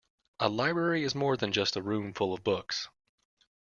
A library is more than just a room full of books